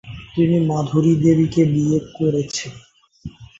তিনি মাধুরী দেবীকে বিয়ে করেছেন।